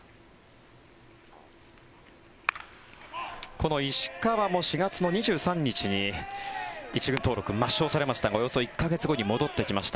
この石川も４月２３日に１軍登録抹消されましたがおよそ１か月後に戻ってきました。